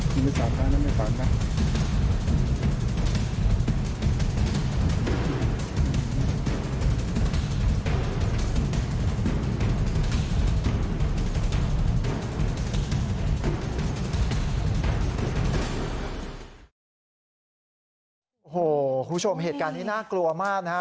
โหคุณผู้ชมเหตุการณ์ที่น่ากลัวมากนะครับ